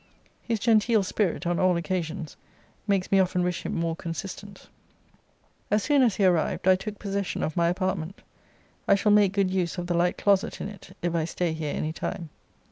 His genteel spirit, on all occasions, makes me often wish him more consistent. As soon as he arrived, I took possession of my apartment. I shall make good use of the light closet in it, if I stay here any time.